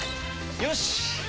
よし！